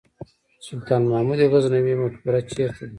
سلطان محمود غزنوي مقبره چیرته ده؟